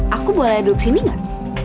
aku boleh duduk sini gak